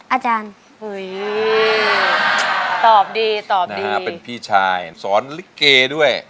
อาจารย์ตอบดีตอบดีเป็นพี่ชายสอนลิเกด้วย